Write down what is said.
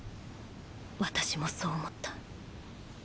私もそう思った。